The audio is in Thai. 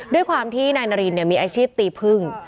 ด้วยความที่นายนารินมีอาชีพตีพึ่ง